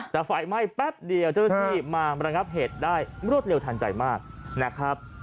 แต่ไฟไหม้แป๊บเดียวเจ้าหน้าที่มาระงับเหตุได้รวดเร็วทันใจมากนะครับ